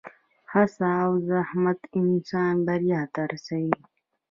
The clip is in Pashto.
هڅه او زحمت انسان بریا ته رسوي.